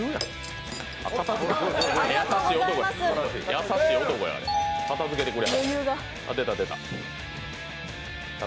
優しい男や、片づけてくれてる。